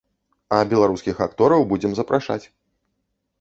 А беларускіх актораў будзем запрашаць.